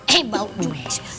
eh bau juga